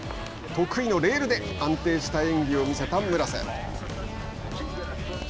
得意のレールで安定した演技を見せた村瀬。